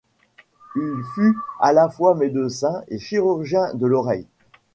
Il fut à la fois médecin et chirurgien de l'oreille.